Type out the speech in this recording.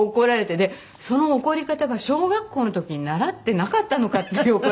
でその怒り方が小学校の時に習ってなかったのかっていう怒られ方。